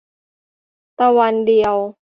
ตะวันเดียว